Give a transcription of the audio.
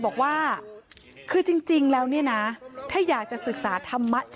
บอกว่าคือจริงแล้วเนี่ยนะถ้าอยากจะศึกษาธรรมะ